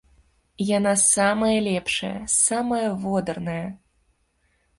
Яна самая лепшая, самая водарная.